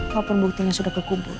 walaupun buktinya sudah kekubur